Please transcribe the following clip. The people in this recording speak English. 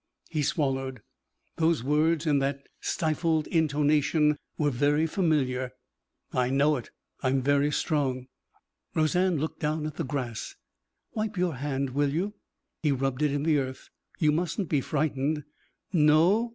He swallowed; those words in that stifled intonation were very familiar. "I know it. I'm very strong." Roseanne looked down at the grass. "Wipe your hand, will you?" He rubbed it in the earth. "You mustn't be frightened." "No?"